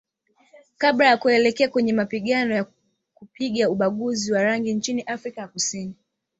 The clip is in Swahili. Kabla ya kuelekea kwenye mapigano ya kupinga ubaguzi wa rangi nchini Afrika ya Kusini